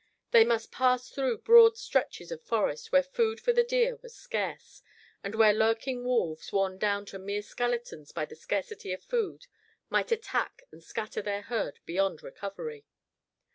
They must pass through broad stretches of forest where food for the deer was scarce, and where lurking wolves, worn down to mere skeletons by the scarcity of food, might attack and scatter their herd beyond recovery.